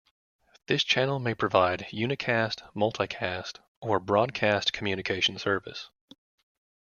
This channel may provide unicast, multicast or broadcast communication service.